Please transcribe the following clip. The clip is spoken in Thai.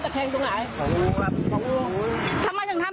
เขาไม่ให้ม้าเรารึเปล่า